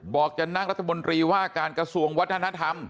จะนั่งรัฐมนตรีว่าการกระทรวงวัฒนธรรม